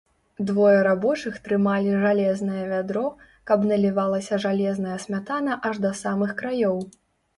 Двое рабочых трымалі жалезнае вядро, каб налівалася жалезная смятана аж да самых краёў.